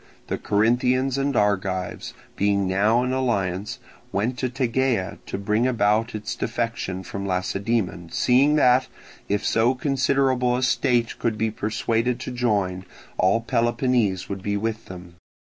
The Corinthians and Argives, being now in alliance, went to Tegea to bring about its defection from Lacedaemon, seeing that, if so considerable a state could be persuaded to join, all Peloponnese would be with them.